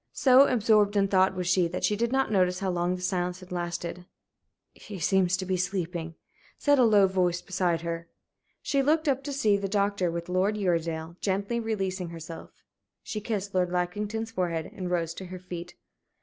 So absorbed in thought was she that she did not notice how long the silence had lasted. "He seems to be sleeping," said a low voice beside her. She looked up to see the doctor, with Lord Uredale. Gently releasing herself, she kissed Lord Lackington's forehead, and rose to her feet.